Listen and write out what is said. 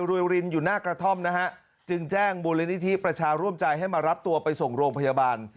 รินอยู่หน้ากระท่อมนะฮะจึงแจ้งมูลนิธิประชาร่วมใจให้มารับตัวไปส่งโรงพยาบาล